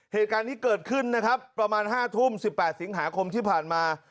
เหตุการณ์นี้เกิดขึ้นนะครับประมาณ๕ทุ่ม๑๘สิงหาคมที่ผ่านมา